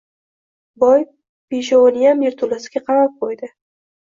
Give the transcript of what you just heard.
Boy beshoviniyam yerto‘lasiga qamab qo‘ydi